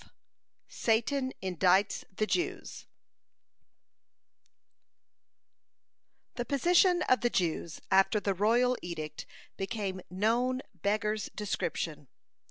(120) SATAN INDICTS THE JEWS The position of the Jews after the royal edict became known beggars description.